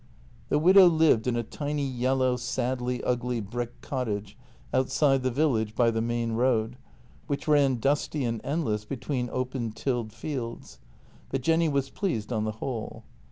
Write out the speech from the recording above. The widow lived in a tiny yellow, sadly ugly brick cottage outside the village by the main road, which ran dusty and endless between open tilled fields, but Jenny was pleased on the whole.